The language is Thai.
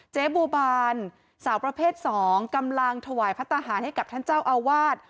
เจ๊บัวบานสาวประเภท๒กำลังถวายพระทหารให้กับท่านเจ้าอาวาส